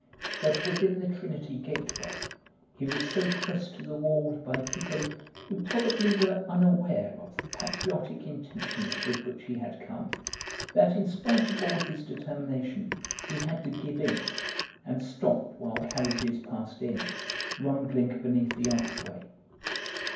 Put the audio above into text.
But within the Trinity Gateway he was so pressed to the wall by people who probably were unaware of the patriotic intentions with which he had come that in spite of all his determination he had to give in, and stop while carriages passed in, rumbling beneath the archway.